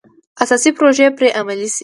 اساسي پروژې پرې عملي شي.